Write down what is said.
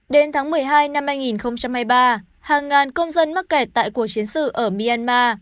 đến tháng một mươi hai năm hai nghìn hai mươi ba hàng ngàn công dân mắc kẹt tại cuộc chiến sự ở myanmar